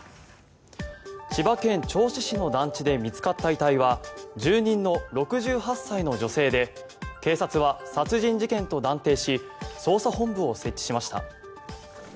千葉県銚子市の団地で見つかった遺体は住人の６８歳の女性で警察は殺人事件と断定し捜査本部を設置しました。